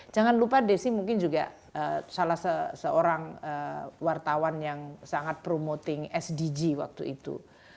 jangan lupa desi mungkin juga salah seorang wartawan yang sangat promoting sdg waktu itu